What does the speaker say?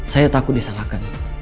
saya takut disalahkan